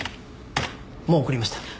もう送りました。